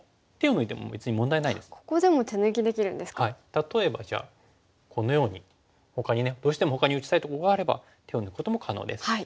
例えばじゃあこのようにほかにどうしてもほかに打ちたいとこがあれば手を抜くことも可能です。